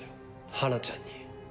花ちゃんに。